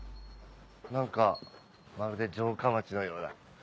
何かまるで城下町のような。